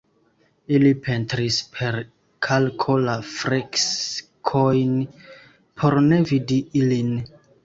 Ili pentris per kalko la freskojn por ne vidi ilin.